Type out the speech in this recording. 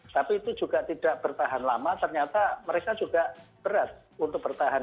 tapi itu juga tidak bertahan lama ternyata mereka juga berat untuk bertahan